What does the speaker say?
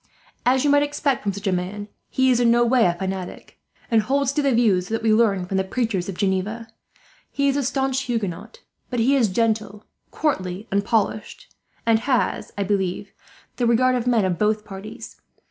As you might expect with such a man, he is in no way a fanatic, and does not hold the extreme views that we have learned from the preachers of Geneva. He is a staunch Huguenot, but he is gentle, courtly, and polished; and has, I believe, the regard of men of both parties.